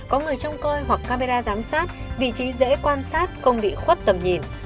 có người trông coi hoặc camera giám sát vị trí dễ quan sát không bị khuất tầm nhìn